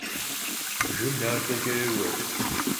Bgım nat'eç'e yêue.